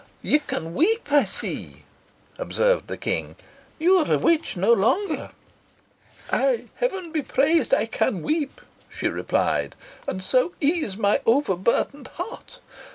"You can weep, I see," observed the King. "You are a witch no longer." "Ay, Heaven be praised! I can weep," she replied; "and so ease my over burthened heart.